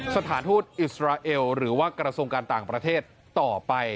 สถานทูตอิสราเอลหรือว่ากระทรวงการต่างประเทศต่อไป